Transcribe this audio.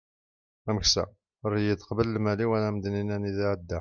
ameksa err-iyi-d qbel lmal-iw ad am-d-inin anida iεedda